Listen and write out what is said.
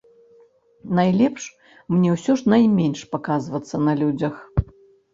Найлепш мне ўсё ж найменш паказвацца на людзях.